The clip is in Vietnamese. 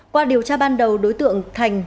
qua điều tra ban đầu đối tượng thành